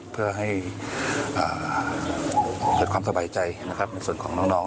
เพื่อให้เกิดความสบายใจส่วนของน้อง